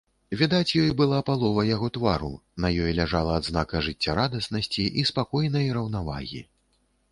Відаць ёй была палова яго твару, на ёй ляжала адзнака жыццярадаснасці і спакойнай раўнавагі.